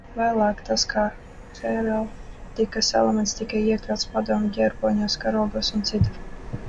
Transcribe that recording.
Vēlāk tas kā heraldikas elements tika iekļauts padomju ģerboņos, karogos un citur.